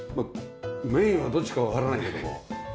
メインがどっちかはわからないけども。